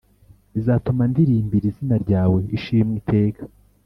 Bizatuma ndirimbira izina ryawe ishimwe iteka